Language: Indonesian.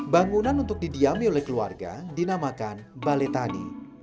bangunan untuk didiami oleh keluarga dinamakan bale tani